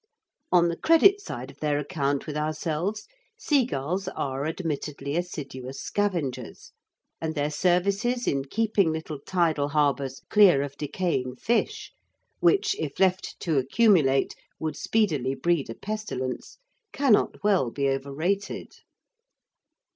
On the credit side of their account with ourselves, seagulls are admittedly assiduous scavengers, and their services in keeping little tidal harbours clear of decaying fish which, if left to accumulate, would speedily breed a pestilence, cannot well be overrated.